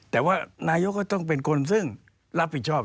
แต่ว่านายกก็ต้องเป็นคนซึ่งรับผิดชอบ